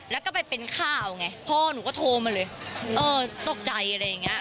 แล้วก็ไปเป็นข่าวไงพ่อหนูก็โทรมาเลยเออตกใจอะไรอย่างเงี้ย